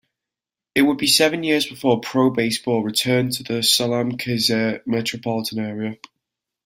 It would be seven years before pro baseball returned to the Salem-Keizer metropolitan area.